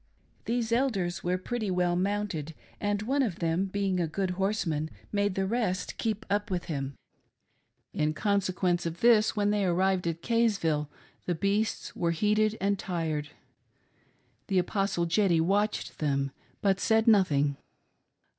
These Elders were pretty well mounted and one of them being a good horseman made the rest keep up with him. In conse quence of this when they arrived at Kaysville the beasts were heated and tired. The Apostle " Jeddy" watched them but said nothing.